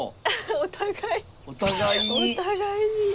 お互いに。